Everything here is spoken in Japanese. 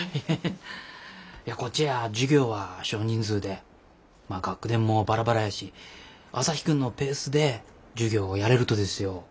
いやこっちや授業は少人数でまあ学年もバラバラやし朝陽君のペースで授業をやれるとですよ。